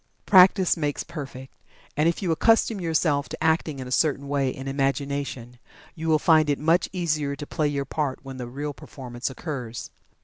Practice makes perfect, and if you accustom yourself to acting in a certain way in imagination, you will find it much easier to play your part when the real performance occurs.